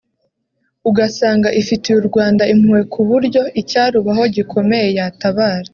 ugasanga ifitiye u Rwanda impuhwe ku buryo icyarubaho gikomeye yatabara